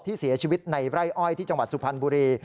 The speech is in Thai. เสียชีวิตในไร่อ้อยที่จังหวัดสุพรรณบุรี